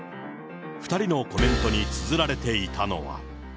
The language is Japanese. ２人のコメントにつづられていたのは。